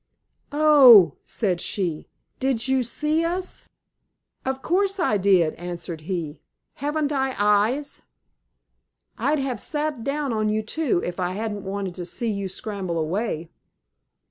"Oh!" said she. "Then you did see us?" "Of course I did," answered he. "Haven't I eyes? I'd have sat down on you, too, if I hadn't wanted to see you scramble away.